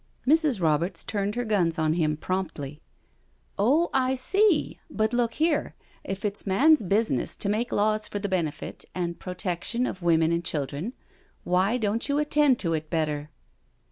Mrs. Roberts turned her guns on him promptly: " Oh, I see — ^but look here, if it's man's business to make laws for the benefit and protection of women and children, why don't you attend to it better?"